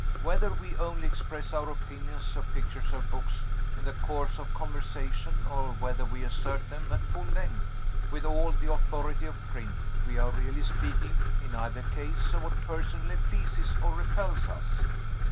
"Whether we only express our opinions of pictures or books in the course of conversation or whether we assert them at full length, with all the authority of print, we are really speaking, in either case, of what personally pleases or repels us.